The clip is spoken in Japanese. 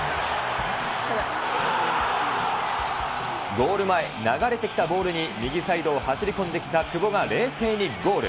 ゴール前、流れてきたボールに右サイドを走り込んできた久保が冷静にゴール。